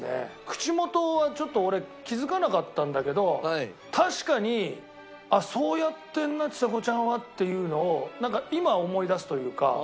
口元はちょっと俺気づかなかったんだけど確かに「あっそうやってるなちさ子ちゃんは」っていうのを今思い出すというか。